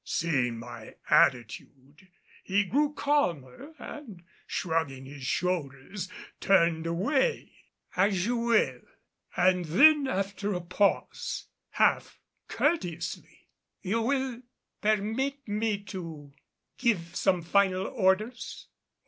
Seeing my attitude, he grew calmer and shrugging his shoulders, turned away. "As you will;" and then after a pause, half courteously, "You will permit me to give some final orders?"